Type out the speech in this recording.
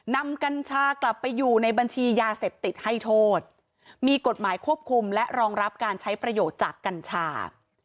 กัญชากลับไปอยู่ในบัญชียาเสพติดให้โทษมีกฎหมายควบคุมและรองรับการใช้ประโยชน์จากกัญชา